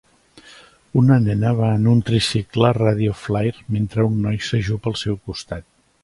Una nena va en un tricicle Radio Flyre mentre un noi s'ajup al seu costat.